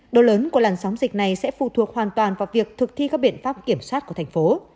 độ lớn của làn sóng dịch này sẽ phụ thuộc hoàn toàn vào việc thực thi các biện pháp kiểm soát của thành phố